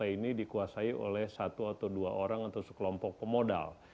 ini dikuasai oleh satu atau dua orang atau sekelompok pemodal